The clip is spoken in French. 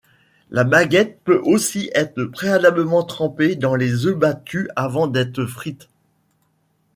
La baguette peut aussi être préalablement trempée dans les œufs battus avant d'être frite.